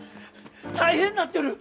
大変なってる！